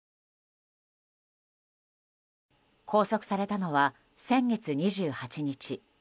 拘束されたのは先月２８日。